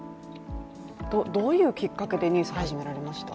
どういうきっかけでＮＩＳＡ、始められました？